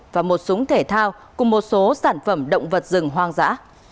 và một súng thể thao cùng một số sản phẩm động vật rừng hoang dã